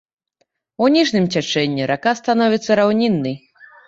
У ніжнім цячэнні рака становіцца раўніннай.